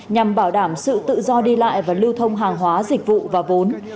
nhằm bảo đảm sự tự do đi lại và lưu thông hàng hóa dịch vụ và vốn